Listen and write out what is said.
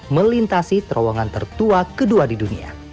melintasi terowongan tertua kedua di dunia